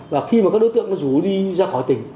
và khi mà các đối tượng nó rủ đi ra khỏi tỉnh